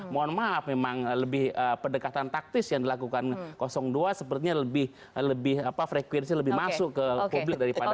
mohon maaf memang lebih pendekatan taktis yang dilakukan dua sepertinya lebih frekuensi lebih masuk ke publik daripada